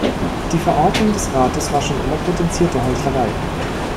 Die Verordnung des Rates war schon immer potenzierte Heuchlerei.